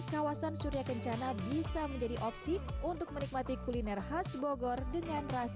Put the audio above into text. kawasan surya kencana bisa menjadi opsi untuk menikmati kuliner khas bogor dengan rasa